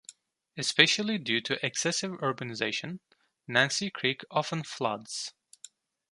Especially due to excessive urbanization, Nancy Creek often floods.